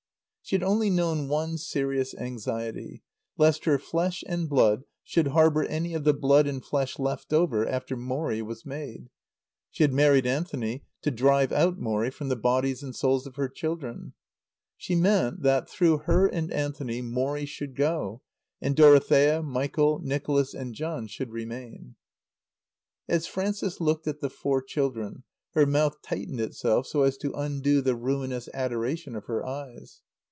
She had only known one serious anxiety lest her flesh and blood should harbour any of the blood and flesh left over after Morrie was made. She had married Anthony to drive out Morrie from the bodies and souls of her children. She meant that, through her and Anthony, Morrie should go, and Dorothea, Michael, Nicholas and John should remain. As Frances looked at the four children, her mouth tightened itself so as to undo the ruinous adoration of her eyes.